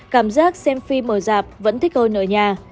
cảm giác xem phim ở giảp vẫn thích hơn ở nhà